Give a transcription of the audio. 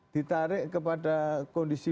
ditarik kepada kondisi